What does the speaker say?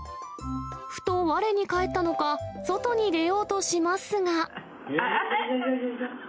ふと、われに返ったのか、外に出ようとしますが。